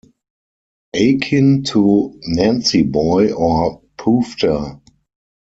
Akin to "nancyboy" or "poofter".